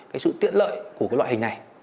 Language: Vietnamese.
cái sự tiện lợi của cái loại hình này